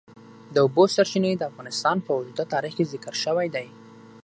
د اوبو سرچینې د افغانستان په اوږده تاریخ کې ذکر شوی دی.